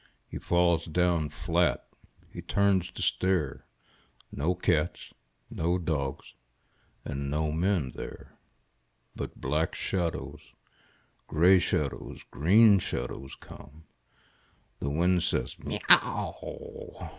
He falls down flat. H)e turns to stare — No cats, no dogs, and no men there. But black shadows, grey shadows, green shadows come. The wind says, " Miau !